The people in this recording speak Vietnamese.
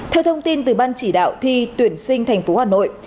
theo thông tin từ ban chỉ đạo thi tuyển sinh thành phố hà nội